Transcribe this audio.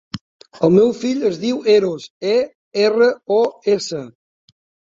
El meu fill es diu Eros: e, erra, o, essa.